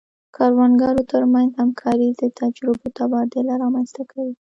د کروندګرو ترمنځ همکاري د تجربو تبادله رامنځته کوي.